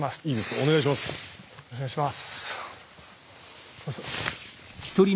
お願いします。